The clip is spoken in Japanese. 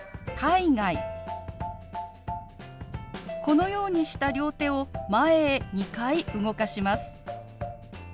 このようにした両手を前へ２回動かします。